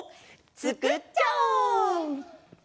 つくっちゃおう！